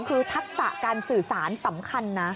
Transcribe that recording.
คือทักษะการสื่อสารสำคัญนะ